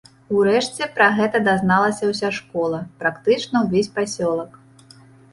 Урэшце пра гэта дазналася ўся школа, практычна ўвесь пасёлак.